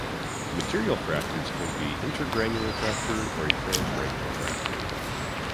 Material fractures can be intergranular fracture or a transgranular fracture.